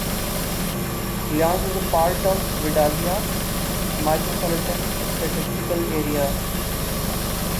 Lyons is part of the Vidalia Micropolitan Statistical Area.